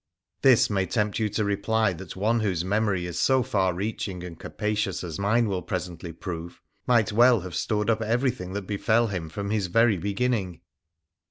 This may tempt you to reply that one whose memory is so far reaching and capacious as mine will presently prove might well have stored up every thing that befell him from Ms very beginning.